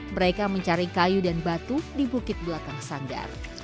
mereka mencari kayu dan batu di bukit belakang sandar